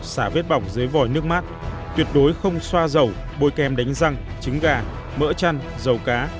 xả vết bỏng dưới vòi nước mát tuyệt đối không xoa dầu bôi kem đánh răng trứng gà mỡ chăn dầu cá